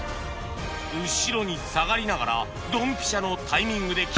後ろに下がりながらドンピシャのタイミングで決めた超絶ゴールに